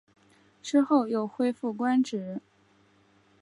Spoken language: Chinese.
之后又恢复官职。